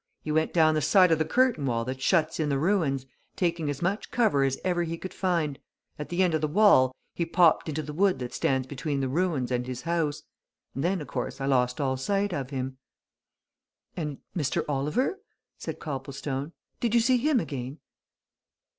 He went down the side of the curtain wall that shuts in the ruins, taking as much cover as ever he could find at the end of the wall, he popped into the wood that stands between the ruins and his house. And then, of course, I lost all sight of him." "And Mr. Oliver?" said Copplestone. "Did you see him again?"